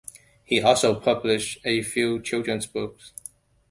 He also published a few children's books.